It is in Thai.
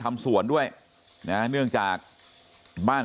กระดิ่งเสียงเรียกว่าเด็กน้อยจุดประดิ่ง